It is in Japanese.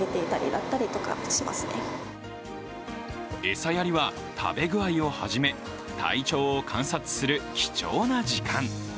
餌やりは、食べ具合をはじめ、体調を観察する貴重な時間。